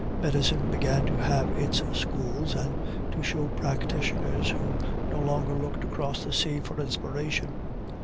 Medicine began to have its schools, and to show practitioners who no longer looked across the sea for inspiration.